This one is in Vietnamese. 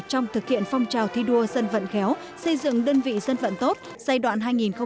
trong thực hiện phong trào thi đua dân vận khéo xây dựng đơn vị dân vận tốt giai đoạn hai nghìn một mươi sáu hai nghìn hai mươi